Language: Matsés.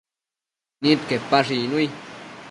Nidquepash icnui